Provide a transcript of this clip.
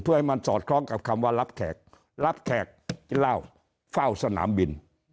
เพื่อให้มันสอดคล้องกับคำว่ารับแขกรับแขกกินเหล้าเฝ้าสนามบิน